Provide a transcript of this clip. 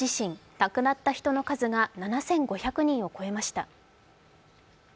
亡くなった人の数が７５００人を超えました。